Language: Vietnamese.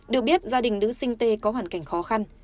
được biết gia đình nữ sinh tê có hoàn cảnh khó khăn